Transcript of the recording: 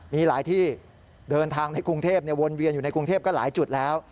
มีหลายที่เดินทางในกรุงเทพวนเวียนอยู่ในกรุงเทพก็หลายจุดแล้ว